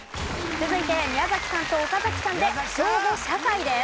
続いて宮崎さんと岡崎さんで小５社会です。